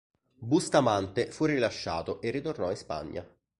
Bustamante fu rilasciato e ritornò in Spagna.